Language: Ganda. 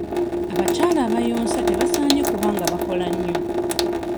Abakyala abayonsa tebasaanye kuba nga bakola nnyo.